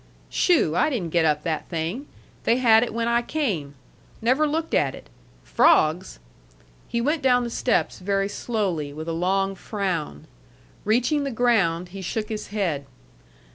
"Shoo! I didn't get up that thing. They had it when I came. Never looked at it. Frogs?" He went down the steps very slowly, with a long frown. Reaching the ground, he shook his head.